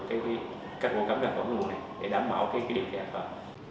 cái cách vô cấm ra khỏi nguồn này để đảm bảo cái điện chạy vào